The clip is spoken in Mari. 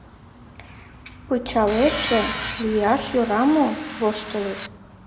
— Пычалетше... лӱяш йӧра мо? — воштылыт.